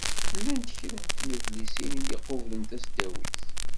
Llant kra n tnedlisin i d-iqublen tasdawit.